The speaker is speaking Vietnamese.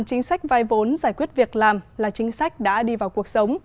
chính sách vay vốn giải quyết việc làm là chính sách đã đi vào cuộc sống